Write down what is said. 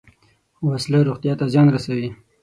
وسله روغتیا ته زیان رسوي